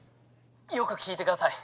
よく聞いてください。